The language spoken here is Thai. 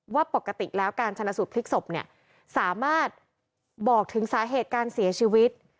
ว่าปกติแล้วการชนะสูตรพลิกศพเนี่ยสามารถบอกถึงสาเหตุการเสียชีวิต